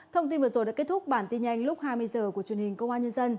thông tin vừa rồi đã kết thúc bản tin nhanh lúc hai mươi h của truyền hình công an nhân dân